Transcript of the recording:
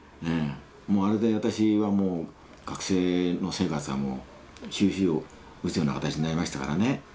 もうあれで私はもう学生の生活はもう終止符を打つような形になりましたからね。